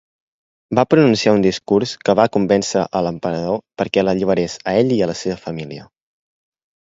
Va pronunciar un discurs que va convèncer a l'emperador perquè l'alliberés a ell i a la seva família.